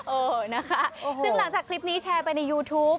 เออนะคะซึ่งหลังจากคลิปนี้แชร์ไปในยูทูป